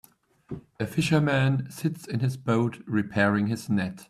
A fisherman sits in his boat repairing his net.